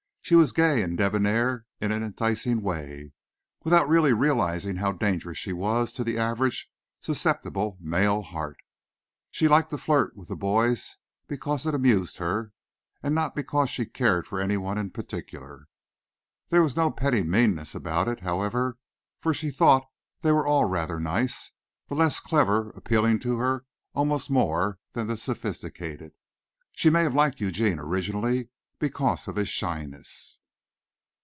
She was gay and debonair in an enticing way, without really realizing how dangerous she was to the average, susceptible male heart. She liked to flirt with the boys because it amused her, and not because she cared for anyone in particular. There was no petty meanness about it, however, for she thought they were all rather nice, the less clever appealing to her almost more than the sophisticated. She may have liked Eugene originally because of his shyness.